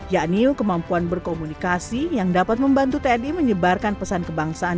yakni kemampuan berkomunikasi yang dapat membantu tni menyebarkan pesan kebangsaan